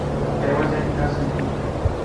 په یوه ځای کې داسې لیکي.